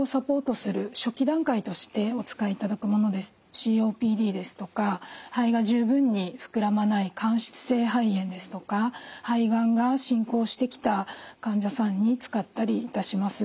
ＣＯＰＤですとか肺が十分に膨らまない間質性肺炎ですとか肺がんが進行してきた患者さんに使ったりいたします。